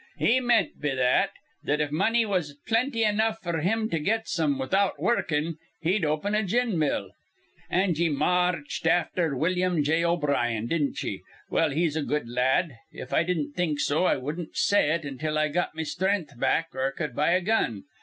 He meant be that, that if money was plenty enough f'r him to get some without wurrukin', he'd open a gin mill. An' ye ma arched afther Willum J. O'Brien, didn't ye? Well, he's a good la ad. If I didn't think so, I wudden't say it until I got me strenth back or cud buy a gun.